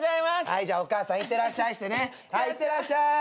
はいいってらっしゃーい。